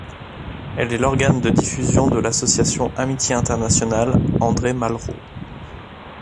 Elle est l'organe de diffusion de l'association Amitiés internationales André Malraux.